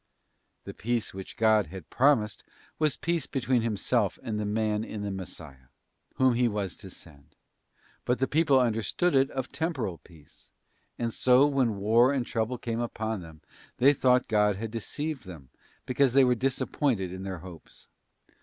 '* The peace which God had promised was peace between Himself and man in the Messias, Whom He was to send; but the people understood it of temporal peace; and so, when war and trouble came upon them, they thought God had deceived them, because they were disappointed in their hopes.